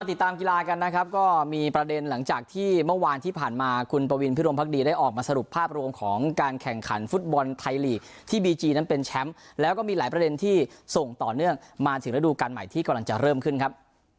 ติดตามกีฬากันนะครับก็มีประเด็นหลังจากที่เมื่อวานที่ผ่านมาคุณปวินพิรมพักดีได้ออกมาสรุปภาพรวมของการแข่งขันฟุตบอลไทยลีกที่บีจีนั้นเป็นแชมป์แล้วก็มีหลายประเด็นที่ส่งต่อเนื่องมาถึงฤดูการใหม่ที่กำลังจะเริ่มขึ้นครับ